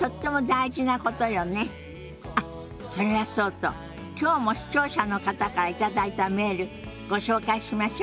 あっそれはそうときょうも視聴者の方から頂いたメールご紹介しましょ。